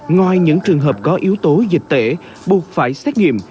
ngoài những trường hợp có yếu tố dịch tễ buộc phải xét nghiệm